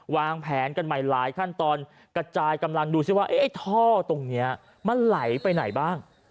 วางแผนกันใหม่หลายขั้นตอนกระจายกำลังดูซิว่าไอ้ท่อตรงนี้มันไหลไปไหนบ้าง